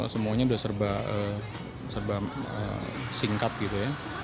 semuanya sudah serba singkat gitu ya